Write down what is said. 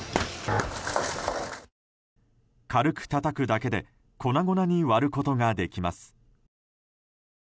軽くたたくだけで粉々に割ることができます。